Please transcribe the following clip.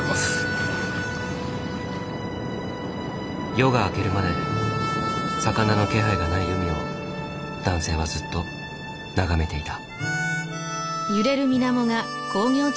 夜が明けるまで魚の気配がない海を男性はずっと眺めていた。